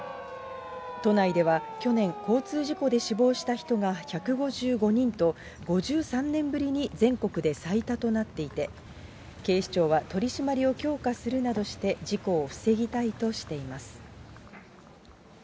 都内では去年、交通事故で死亡した人が１５５人と、５３年ぶりに全国で最多となっていて、警視庁は、取締りを強化するなどして、事故を防ぎたいとしています。